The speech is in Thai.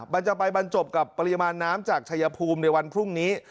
มันจะไปบรรจบกับปริมาณน้ำจากชายภูมิในวันพรุ่งนี้